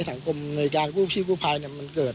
สังคมในการยูชิพภูมิภายเนี้ยมันเกิด